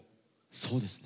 そうですね。